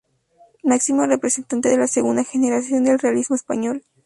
Máximo representante de la segunda generación del realismo español.